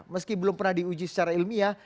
meski belum pernah diuji secara ilmiah